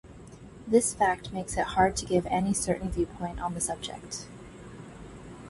This fact makes it hard to give any certain viewpoint on the subject.